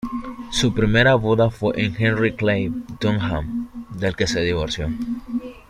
Su primera boda fue con Henry Clay Dunham, del que se divorció.